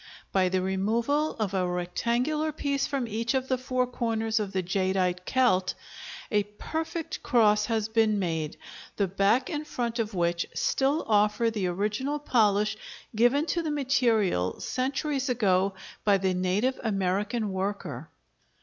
By the removal of a rectangular piece from each of the four corners of the jadeite celt, a perfect cross has been made, the back and front of which still offer the original polish given to the material centuries ago by the native American worker.